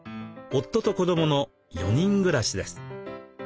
夫と子どもの４人暮らしです。